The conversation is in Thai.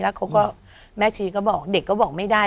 แล้วเขาก็แม่ชีก็บอกเด็กก็บอกไม่ได้